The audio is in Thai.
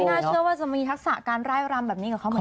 น่าเชื่อว่าจะมีทักษะการไล่รำแบบนี้กับเขาเหมือนกัน